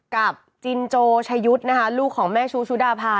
กับจินโจชะยุทธ์นะคะลูกของแม่ชูชุดาพา